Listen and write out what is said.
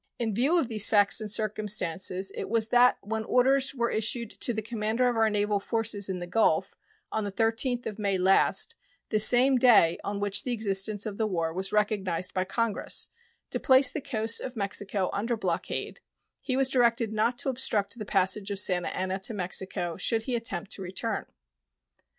In view of these facts and circumstances it was that when orders were issued to the commander of our naval forces in the Gulf, on the 13th day of May last, the same day on which the existence of the war was recognized by Congress, to place the coasts of Mexico under blockade, he was directed not to obstruct the passage of Santa Anna to Mexico should he attempt to return.